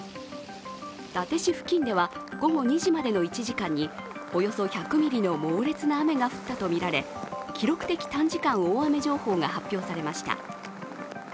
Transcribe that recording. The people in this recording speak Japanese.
伊達市付近では午後２時までの１時間におよそ１００ミリの猛烈な雨が降ったとみられ、記録的短時間大雨情報が発表されました。